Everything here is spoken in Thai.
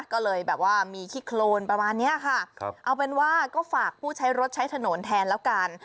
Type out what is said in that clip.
ก็เลยแบบว่ามีขี้โครนประมาณนี้ค่ะเอาเป็นว่าก็ฝากผู้ใช้รถใช้ถนนแทนแล้วกัน